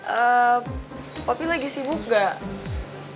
ehm poppy lagi sibuk gak